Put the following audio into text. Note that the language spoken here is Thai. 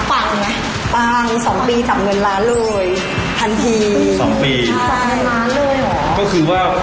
๒ปีทำเงินล้านเรื่อย